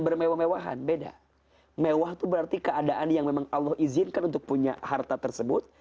bermewah mewahan beda mewah itu berarti keadaan yang memang allah izinkan untuk punya harta tersebut